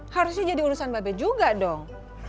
harusnya jadi urusan babe juga dong